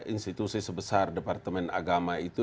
institusi sebesar departemen agama itu